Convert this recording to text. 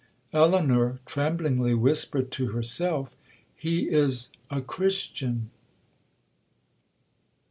Elinor tremblingly whispered to herself—'He is a Christian.'